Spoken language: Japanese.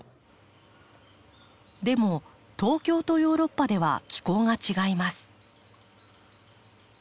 でも東京とヨーロッパでは気候が違います。